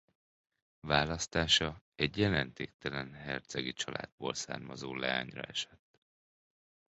Választása egy jelentéktelen hercegi családból származó leányra esett.